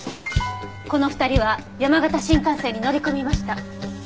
この２人は山形新幹線に乗り込みました。